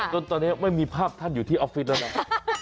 จนตอนนี้ไม่มีภาพท่านอยู่ที่ออฟฟิศแล้วนะ